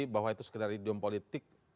bahwa itu sekedar idiom politik